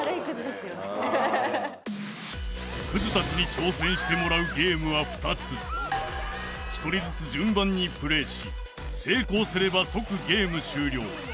クズたちに挑戦してもらうゲームは２つ１人ずつ順番にプレーし成功すれば即ゲーム終了